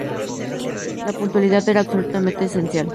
La puntualidad era absolutamente esencial.